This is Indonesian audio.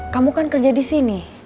kamu kan kerja di sini